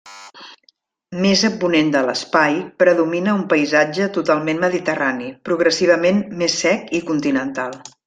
Més a ponent de l'espai, predomina un paisatge totalment mediterrani, progressivament més sec i continental.